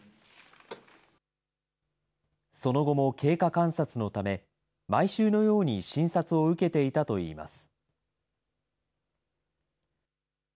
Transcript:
その後も経過観察のため、毎週のように診察を受けていたといいます。